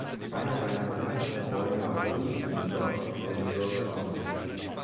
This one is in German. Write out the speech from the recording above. Eine seiner bekanntesten Rollen war „Wooley“ in George Romeros "Zombie".